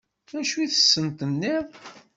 D acu i sen-tenniḍ?